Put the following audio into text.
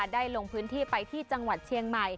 ลงพื้นที่ไปที่จังหวัดเชียงใหม่